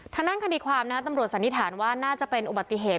ทางด้านคดีความตำรวจสันนิษฐานว่าน่าจะเป็นอุบัติเหตุ